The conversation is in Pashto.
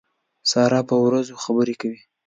سارا په وروځو خبرې کوي.